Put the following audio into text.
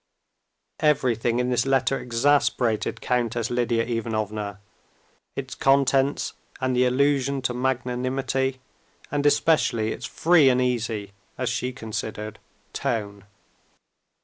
Everything in this letter exasperated Countess Lidia Ivanovna: its contents and the allusion to magnanimity, and especially its free and easy—as she considered—tone.